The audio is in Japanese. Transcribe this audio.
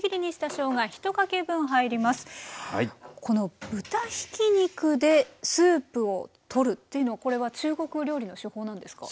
この豚ひき肉でスープをとるっていうのはこれは中国料理の手法なんですか？